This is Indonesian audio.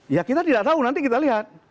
ya kita tidak tahu nanti kita lihat